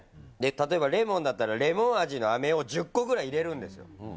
例えばレモンだったら、レモン味のあめを１０個ぐらい入れるんですよ。